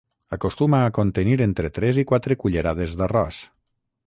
Acostuma a contenir entre tres i quatre cullerades d'arròs.